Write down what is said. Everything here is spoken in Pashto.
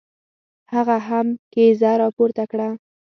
هغه هم کیزه را پورته کړه.